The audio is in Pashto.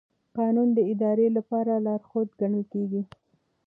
قانون د ادارې لپاره لارښود ګڼل کېږي.